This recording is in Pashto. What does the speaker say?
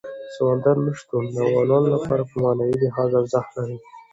سمندر نه شتون د افغانانو لپاره په معنوي لحاظ ارزښت لري.